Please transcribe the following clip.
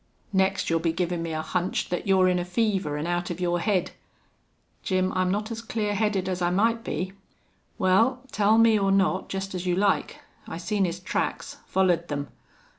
"Next you'll be givin' me a hunch thet you're in a fever an' out of your head." "Jim, I'm not as clear headed as I might be." "Wal, tell me or not, jest as you like. I seen his tracks follered them.